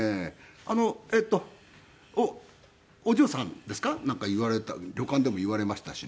「あのえっとお嬢さんですか？」なんか言われた旅館でも言われましたしね。